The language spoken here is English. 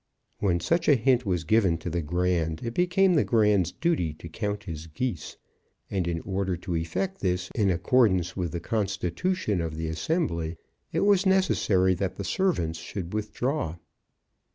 When such a hint was given to the Grand, it became the Grand's duty to count his Geese, and in order to effect this in accordance with the constitution of the assembly, it was necessary that the servants should withdraw.